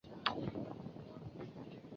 属绥越郡。